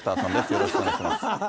よろしくお願いします。